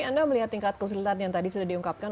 anda melihat tingkat kesulitan yang tadi sudah diungkapkan